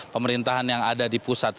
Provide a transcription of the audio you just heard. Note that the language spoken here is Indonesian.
pemerintahan yang ada di pusat